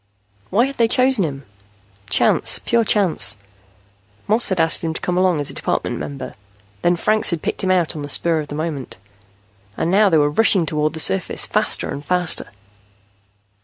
Why had they chosen him? Chance, pure chance. Moss had asked him to come along as a Department member. Then Franks had picked him out on the spur of the moment. And now they were rushing toward the surface, faster and faster.